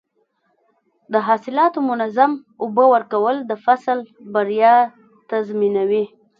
د حاصلاتو منظم اوبه ورکول د فصل بریا تضمینوي.